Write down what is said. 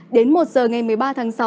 đến một h ngày một mươi ba tháng sáu